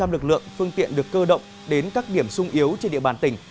một trăm linh lực lượng phương tiện được cơ động đến các điểm sung yếu trên địa bàn tỉnh